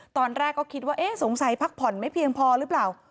ถ้าคิดว่าสงสัยพักผ่อนไม่เพียงพอหรือเปล่า